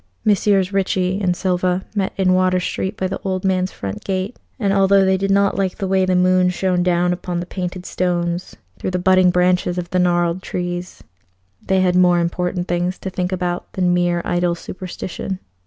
Messrs. Ricci and Silva met in Water Street by the old man's front gate, and although they did not like the way the moon shone down upon the painted stones through the budding branches of the gnarled trees, they had more important things to think about than mere idle superstition.